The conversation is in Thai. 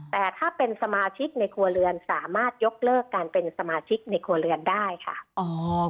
แต่ถ้าเป็นสมาชิกในครัวเรือนสามารถยกเลิกการเป็นสมาชิกในครัวเรือนได้ค่ะ